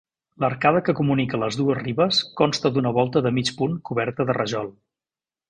L'arcada que comunica les dues ribes consta d'una volta de mig punt coberta de rajol.